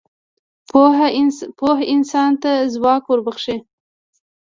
پوهه انسان ته ځواک وربخښي.